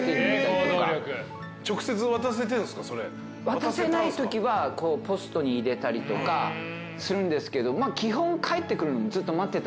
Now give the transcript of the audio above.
渡せないときはポストに入れたりとかするんですけど基本。